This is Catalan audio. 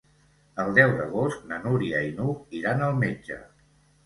El deu d'agost na Núria i n'Hug iran al metge.